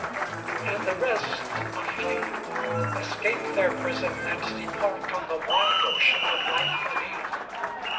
And the rest, a few, Escape their prison and depart On the wide ocean of life anew.